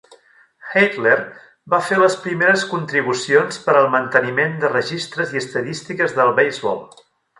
Heydler va fer les primeres contribucions per al manteniment de registres i estadístiques del beisbol.